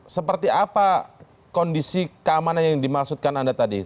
seperti apa kondisi keamanan yang dimaksudkan anda tadi